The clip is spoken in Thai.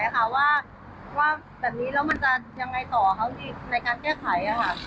ว่าแบบนี้แล้วมันจะยังไงต่อเขาในการแก้ไข